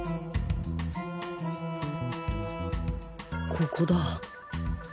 ここだ